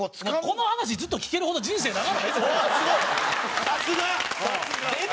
この話ずっと聞けるほど人生長いんですか？